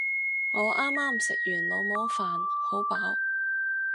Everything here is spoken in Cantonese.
我啱啱食完老母飯，好飽